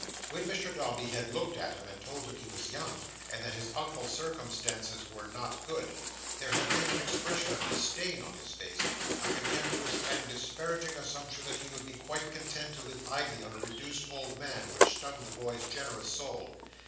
When Mr Dombey had looked at him, and told him he was young, and that his Uncle's circumstances were not good, there had been an expression of disdain in his face; a contemptuous and disparaging assumption that he would be quite content to live idly on a reduced old man, which stung the boy's generous soul.